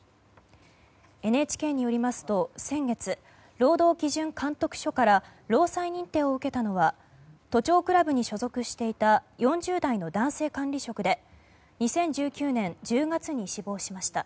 ＮＨＫによりますと先月、労働基準監督署から労災認定を受けたのは都庁クラブに所属していた４０代の男性管理職で２０１９年１０月に死亡しました。